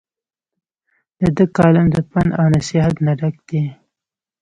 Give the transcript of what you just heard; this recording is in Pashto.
د دۀ کالم د پند او نصيحت نه ډک دے ۔